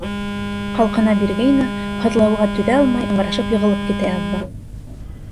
Ҡалҡына биргәйне, һыҙлауға түҙә алмай ыңғырашып йығылып китә яҙҙы.